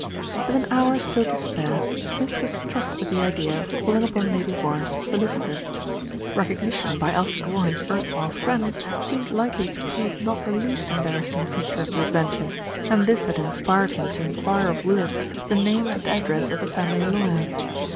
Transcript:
With an hour still to spare, Smith was struck with the idea of calling upon Lady Warren's solicitor. Recognition by Alfred Warren's erstwhile friends 150 THE RETURN OF ALFRED seemed likely to prove not the least embarrassing fea ture of the adventure, and this had inspired him to en quire of Willis the name and address of the family lawyer.